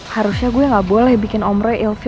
harusnya gue gak boleh bikin om roy ilfil sama gue